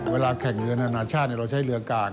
เวลาแข่งเรือนานาชาติเราใช้เรือการ